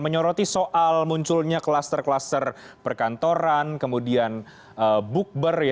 menyoroti soal munculnya kluster kluster perkantoran kemudian bukber